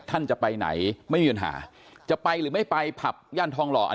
ท่านจะไปไหนไม่มีปัญหาจะไปหรือไม่ไปผับย่านทองหล่ออัน